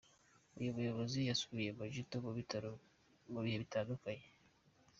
Uyu muyobozi yasuye Majuto mu bitaro mu bihe bitandukanye.